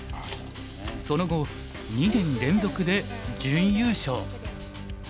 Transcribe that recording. その後２年連続で準優勝。